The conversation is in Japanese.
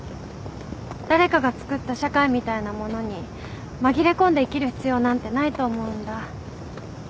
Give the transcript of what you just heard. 誰かがつくった社会みたいなものに紛れ込んで生きる必要なんてないと思うんだ。